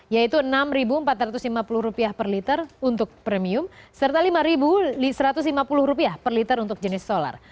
yaitu rp enam empat ratus lima puluh per liter untuk premium serta rp lima satu ratus lima puluh per liter untuk jenis solar